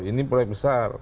ini proyek besar